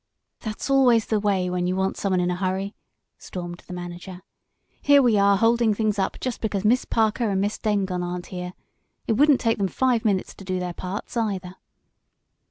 "That's always the way when you want someone in a hurry," stormed the manager. "Here we are holding things up just because Miss Parker and Miss Dengon aren't here. It wouldn't taken them five minutes to do their parts, either."